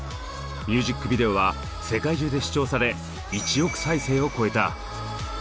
ミュージックビデオは世界中で視聴され１億再生を超えた。